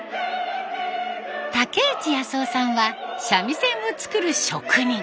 竹内康雄さんは三味線を作る職人。